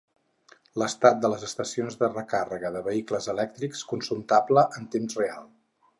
L'estat de les estacions de recàrrega de vehicles elèctrics, consultable en temps real.